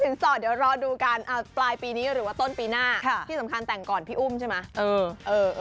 สอดเดี๋ยวรอดูกันปลายปีนี้หรือว่าต้นปีหน้าที่สำคัญแต่งก่อนพี่อุ้มใช่ไหม